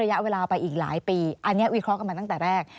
ระยะเวลาไปอีกหลายปีอันนี้วิเคราะห์กันมาตั้งแต่แรก